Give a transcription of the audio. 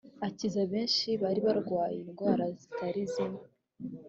akiza benshi bari barwaye indwara zitari zimwe